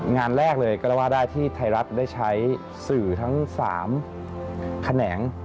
งานแรกเลยก็แล้วว่าได้ที่ไทยรัฐได้ใช้สื่อทั้ง๓แขนง